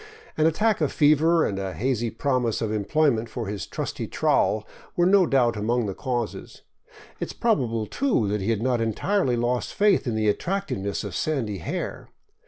An attack of fever and a hazy promise of employment for his trusty trowel were no doubt among the causes ; it is probable, too, that he had not entirely lost faith in the attractive ness of sandy hair.